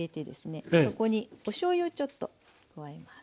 そこにおしょうゆをちょっと加えます。